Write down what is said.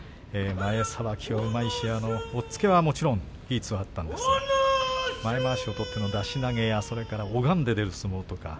前さばきがうまいし押っつけはもちろん技術もあったんですが前まわしを取っての出し投げや、拝んで出る相撲を取った。